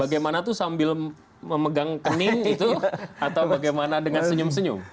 bagaimana tuh sambil memegang kening itu atau bagaimana dengan senyum senyum